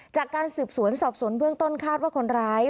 จากการสืบสวนสอบสวนเบื้องต้นคาดว่าคนร้าย